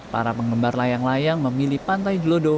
para penggembar layang layang memilih pantai delodo